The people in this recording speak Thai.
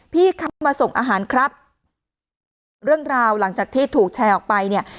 พี่ครับมาส่งอาหารครับเรื่องราวหลังจากที่ถูกแชร์ออกไปเนี่ย